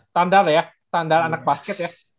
standar ya standar anak basket ya